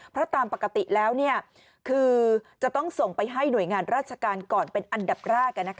เพราะตามปกติแล้วคือจะต้องส่งไปให้หน่วยงานราชการก่อนเป็นอันดับแรก